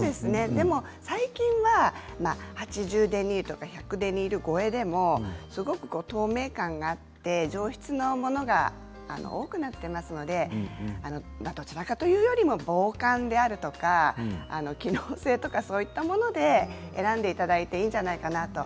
でも最近は８０デニールや１００デニール超えでも透明感があって上質のものが多くなっていますのでどちらかというよりも防寒であるとか機能性とかそういったもので選んでいただいていいのかなと。